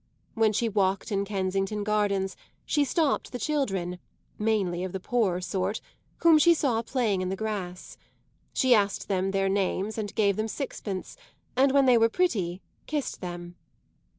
When she walked in Kensington Gardens she stopped the children (mainly of the poorer sort) whom she saw playing on the grass; she asked them their names and gave them sixpence and, when they were pretty, kissed them.